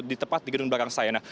di tepat di gedung belakang saya